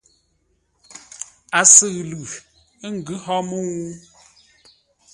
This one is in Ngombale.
A sʉʉ lʉ, ə́ ngʉ hó mə́u?